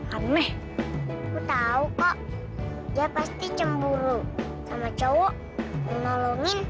aneh kau kok ya pasti cemburu sama cowok kalau